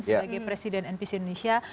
sebagai presiden npc indonesia